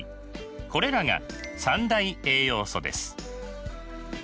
これらが三大栄養素です。